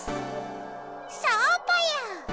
そうぽよ！